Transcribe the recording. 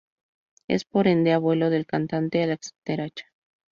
Es por ende abuelo del cantante Alexander Acha.